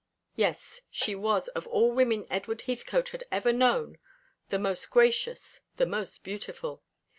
Yes, she was of all women Edward Heathcote had ever known the most gracious, the most beautiful.